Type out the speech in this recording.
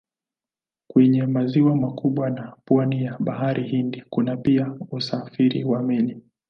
Kwenye maziwa makubwa na pwani ya Bahari Hindi kuna pia usafiri wa meli.